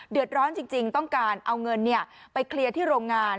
เดือดร้อนจริงจริงต้องการเอาเงินเนี่ยไปเคลียร์ที่โรงงาน